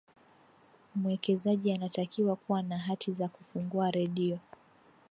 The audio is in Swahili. mwekezaji anatakiwa kuwa na hati za kufungua redio